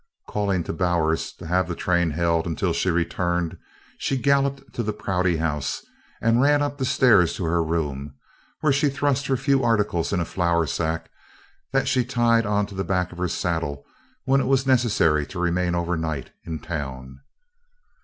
Calling to Bowers to have the train held until she returned, she galloped to the Prouty House and ran up the stairs to her room, where she thrust her few articles in the flour sack that she tied on the back of her saddle when it was necessary to remain over night in town.